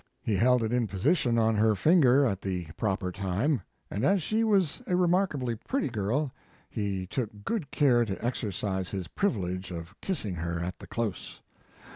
He held it in position on her finger at the proper time, and as she was a remarkably pretty girl he took good care to exercise his privilege of kissing her at the close.